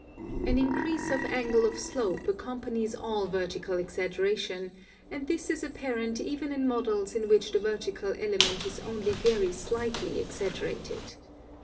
An increase of angle of slope accompanies all vertical exagger ation, and this is apparent even in models in which the vertical element is only very slightly exaggerated.